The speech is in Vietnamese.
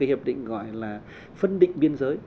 cái hiệp định gọi là phân định biên giới